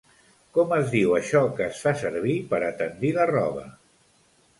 Com es diu això que es fa servir per a tendir la roba?